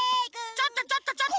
ちょっとちょっとちょっと！